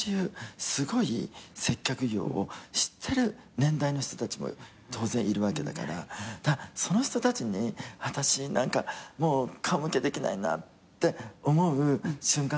すごい接客業を知ってる年代の人たちも当然いるわけだからその人たちに私顔向けできないなって思う瞬間があるわけですよ。